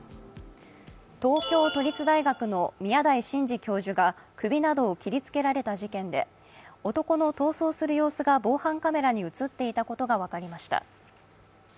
東京都立大学の宮台真司教授が首などを切りつけられた事件で男の逃走する様子が防犯カメラに映っていたことが分かりました。